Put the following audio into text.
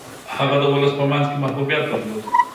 هغه د ولس په منځ کي محبوبیت درلود.